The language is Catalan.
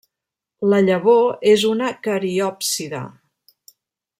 La llavor és una cariòpside.